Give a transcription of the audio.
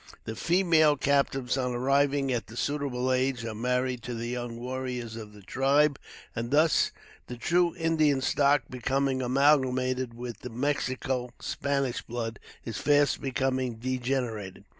The female captives, on arriving at the suitable age, are married to the young warriors of the tribe, and thus the true Indian stock, becoming amalgamated with the Mexico Spanish blood, is fast becoming degenerated.